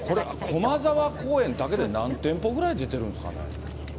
これ、駒沢公園だけで何店舗ぐらい出てるんですかね？